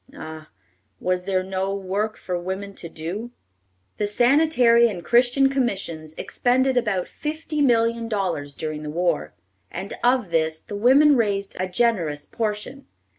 Ah! was there no work for women to do? The Sanitary and Christian Commissions expended about fifty million dollars during the war, and of this, the women raised a generous portion.